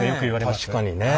確かにね。